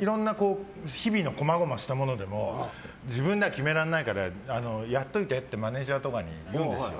いろんな日々のこまごましたものでも自分では決められないからやっといてってマネジャーとかに言うんですよ。